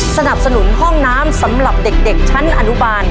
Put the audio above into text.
สนับสนุนห้องน้ำสำหรับเด็กชั้นอนุบาล